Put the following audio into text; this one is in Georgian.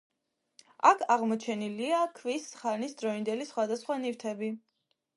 აქ აღმოაჩენილია ქვის ხანის დროინდელი სხვადასხვა ნივთები.